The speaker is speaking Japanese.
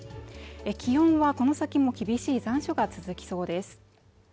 気温はこの先も厳しい残暑が続きそうです